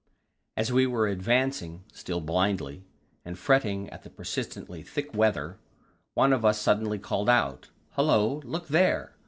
As we were advancing, still blindly, and fretting at the persistently thick weather, one of us suddenly called out: "Hullo, look there!"